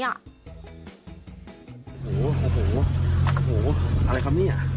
โอ้โหอะไรคำนี้